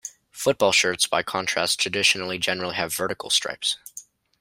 Football shirts by contrast, traditionally generally have vertical stripes.